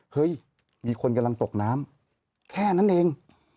เฮ้ยมีคนกำลังตกน้ำแค่นั้นเอง